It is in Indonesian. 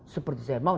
seperti saya mau